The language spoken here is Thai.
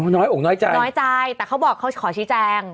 น้อยอุ๋งน้อยใจแต่เขาบอกเขาขอชี้แจง